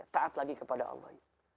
taat lagi kepada allah